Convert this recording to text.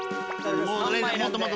もっともっと！